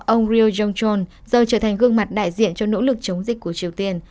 ông ryo yongchon giờ trở thành gương mặt đại diện cho nỗ lực chống dịch của triều tiên